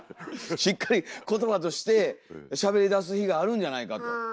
しっかり言葉としてしゃべりだす日があるんじゃないかと。